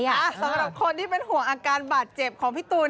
สำหรับคนที่เป็นห่วงอาการบาดเจ็บของพี่ตูน